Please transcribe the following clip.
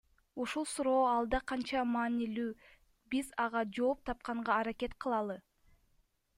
Ушул суроо алда канча маанилүү, биз ага жооп тапканга аракет кылалы.